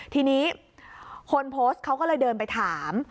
ทีนี้คนโพสต์เขาก็เลยเดินไปถาม